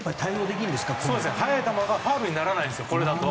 速い球がファウルにならないこれだと。